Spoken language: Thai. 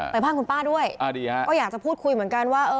ไปบ้านคุณป้าด้วยก็อยากจะพูดคุยเหมือนกันว่าเออ